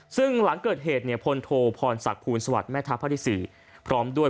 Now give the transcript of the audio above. ซึ่งหลังเกิดเหตุพลโทพรศักดิ์ภูมิสวัสดิ์แม่ทะพพศพร้อมด้วย